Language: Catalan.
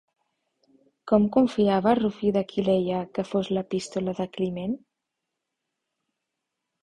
Com confiava Rufí d'Aquileia que fos l'epístola de Climent?